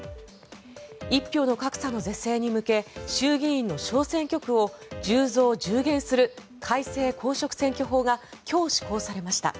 一票の格差是正に向け衆院の小選挙区の１０増１０減する改正公職選挙法が今日施行されました。